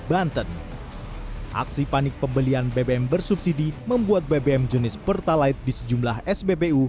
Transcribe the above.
banten aksi panik pembelian bbm bersubsidi membuat bbm jenis pertalite di sejumlah spbu